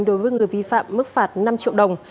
đối với người vi phạm mức phạt năm triệu đồng